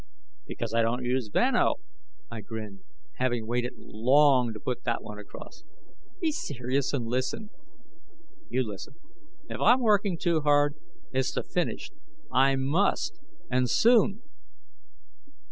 "Because I don't use Vano." I grinned, having waited long to put that one across. "Be serious and listen " "You listen: if I'm working too hard, it's to finish. I must, and soon."